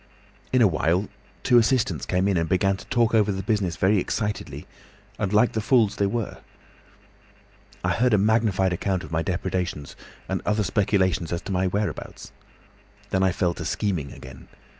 "In a little while two assistants came in and began to talk over the business very excitedly and like the fools they were. I heard a magnified account of my depredations, and other speculations as to my whereabouts. Then I fell to scheming again.